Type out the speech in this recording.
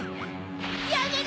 やめろ！